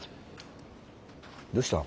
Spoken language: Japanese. どうした？